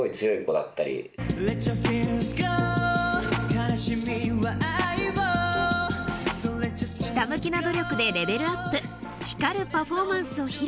哀しみには愛をひた向きな努力でレベルアップ光るパフォーマンスを披露